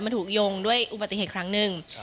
มันถูกโยงด้วยอุบัติเหตุครั้งหนึ่ง